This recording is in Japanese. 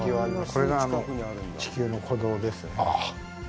これが地球の鼓動ですね。